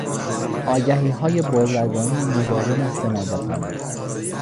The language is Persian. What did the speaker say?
آگهیهای بازرگانی مداوم و سماجتآمیز